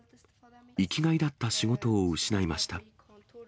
生きがいだった仕事を失いました。